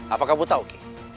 apakah kamu tahu ki